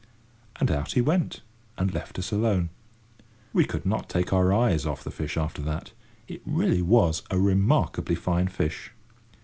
And out he went, and left us alone. We could not take our eyes off the fish after that. It really was a remarkably fine fish.